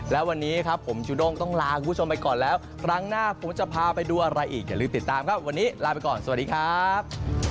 และวันนี้ครับผมจูด้งต้องลาคุณผู้ชมไปก่อนแล้วครั้งหน้าผมจะพาไปดูอะไรอีกอย่าลืมติดตามครับวันนี้ลาไปก่อนสวัสดีครับ